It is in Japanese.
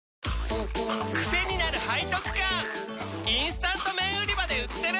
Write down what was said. チキンかじり虫インスタント麺売り場で売ってる！